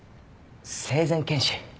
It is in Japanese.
生前検視？